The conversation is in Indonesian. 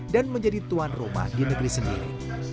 dan menjadi tuan rumah di negeri sendiri